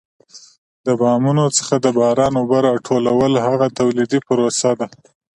د بامونو څخه د باران اوبه را ټولول هغه تولیدي پروسه ده.